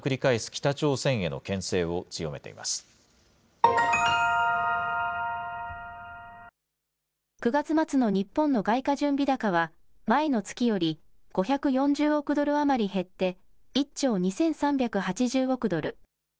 北朝鮮へのけん制を強９月末の日本の外貨準備高は、前の月より５４０億ドル余り減って、１兆２３８０億ドル。